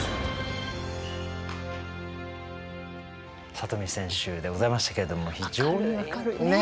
里見選手でございましたけれども非常に明るい。